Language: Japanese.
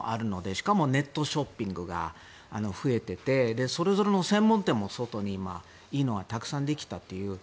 しかもネットショッピングが増えてってそれぞれの専門店も外にいいのがたくさんできたという。